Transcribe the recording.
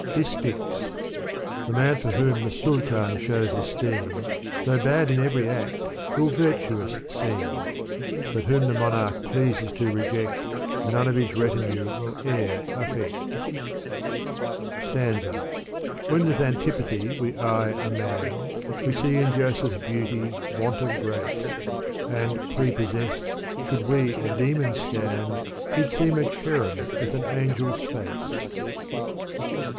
Digitized by Google The man for whom the Saltan shows esteem. Though bad in every act, will virtuous seem. But whom the monarch pleases to reject, None of his retinue will e'er affect Stansa. When with antii>ath7 we eye a man, We see in Joseph's beauty, want of grace : And, prepossessed, should we a demon scan. He'd seem a cherub with an angel's hct.